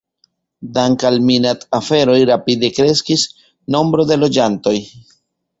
Dank' al minad-aferoj rapide kreskis nombro de loĝantoj.